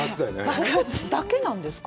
あそこだけなんですか？